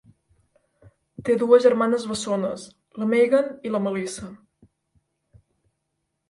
Té dues germanes bessones, la Megan i la Melissa.